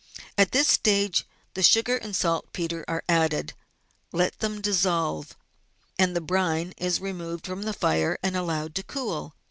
At this stage the sugar and saltpetre are added; let them dissolve, and the brine is then removed from the fire and is allowed to cool.